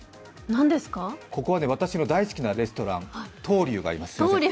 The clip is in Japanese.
ここは私の大好きなレストラン、トウリュウがあります。